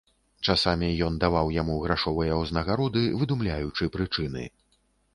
Часамі ён даваў яму грашовыя ўзнагароды, выдумляючы прычыны.